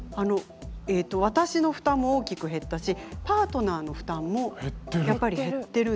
えっと私の負担も大きく減ったしパートナーの負担も。減ってる。